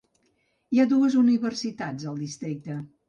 Hi ha dues universitats al districte.